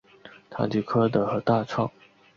唐吉柯德和大创